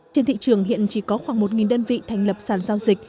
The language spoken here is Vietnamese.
trên thị trường hiện chỉ có khoảng một đơn vị thành lập sản giao dịch